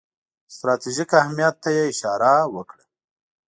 ستراتیژیک اهمیت ته یې اشاره وکړه.